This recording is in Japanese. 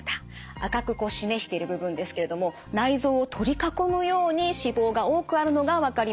赤く示している部分ですけれども内臓を取り囲むように脂肪が多くあるのが分かります。